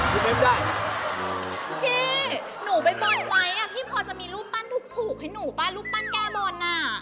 พี่พอจะมีรูปปั้นถูกให้หนูปั้นแก้บน